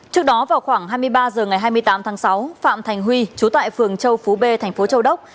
trước đó vào khoảng hai mươi ba h ngày hai mươi tám tháng sáu phạm thành huy chú tại phường châu phú b thành phố châu đốc